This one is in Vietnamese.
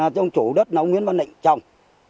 trong chủ đất là ông nguyễn văn định trồng